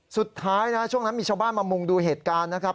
สุดท้ายนะช่วงนั้นมีชาวบ้านมามุงดูเหตุการณ์นะครับ